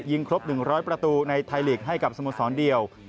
ครบ๑๐๐ประตูในไทยลีกให้กับสโมสรเดียว